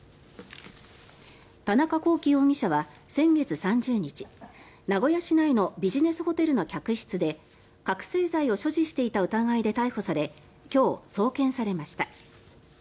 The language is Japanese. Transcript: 田中聖容疑者は先月３０日名古屋市内のビジネスホテルの客室で覚醒剤を所持していた疑いで逮捕され今日、送検されました。